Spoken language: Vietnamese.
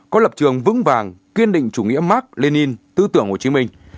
có lập trường vững vàng kiên định chủ nghĩa mark lenin tư tưởng hồ chí minh